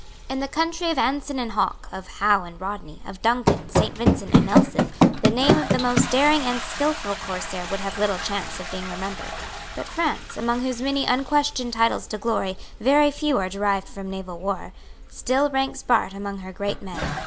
In the country of Anson and Hawke, of Howe and Rodney, of Duncan, Saint Vincent and Nelson, the name of the most daring and skilful corsair would have little chance of being remembered. But France, among whose many unquestioned titles to glory very few are derived from naval war, still ranks Bart among her great men.